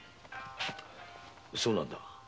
そうなんだ。